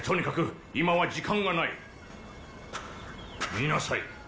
見なさい。